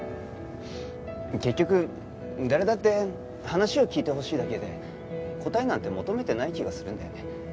結局誰だって話を聞いてほしいだけで答えなんて求めてない気がするんだよね。